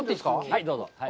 はい、どうぞ。